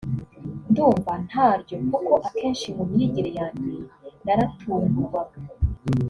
Ndumva ntaryo kuko akenshi mu myigire yanjye naratungurwaga